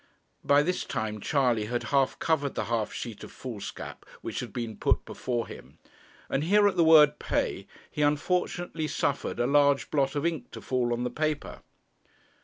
By this time Charley had half covered the half sheet of foolscap which had been put before him, and here at the word 'pay' he unfortunately suffered a large blot of ink to fall on the paper.